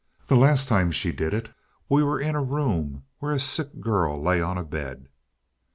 The last time she did it we were in a room where a sick girl lay on a bed.